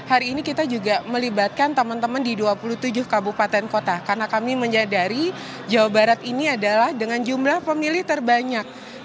hari ini kita juga melibatkan teman teman di dua puluh tujuh kabupaten kota karena kami menyadari jawa barat ini adalah dengan jumlah pemilih terbanyak